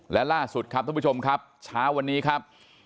และล่าสุดครับท่านผู้ชมครับเช้าวันนี้ครับ